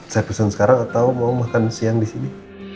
saya pesen sekarang atau mau makan siang disini